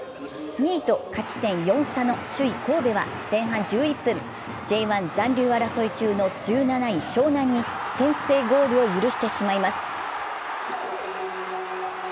２位と勝ち点４差の首位・神戸は前半１１分、Ｊ１残留争い中の１７位・湘南に先制ゴールを許してしまいます。